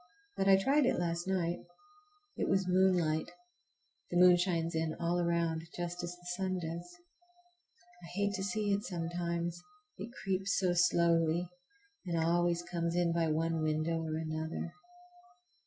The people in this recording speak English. But I tried it last night. It was moonlight. The moon shines in all around, just as the sun does. I hate to see it sometimes, it creeps so slowly, and always comes in by one window or another.